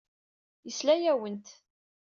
Yesla-awent.